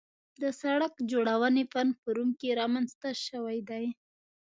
د سړک جوړونې فن په روم کې رامنځته شوی دی